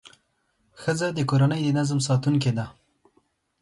ښځه د کورنۍ د نظم ساتونکې ده.